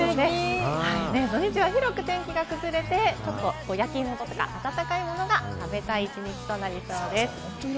土日は広く天気が崩れて、焼き芋とか、温かいものが食べたい気温となりそうです。